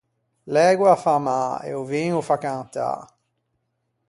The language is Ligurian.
L’ægua a fa mâ e o vin o fa cantâ.